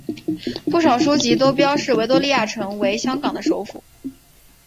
不少书籍都标示维多利亚城为香港的首府。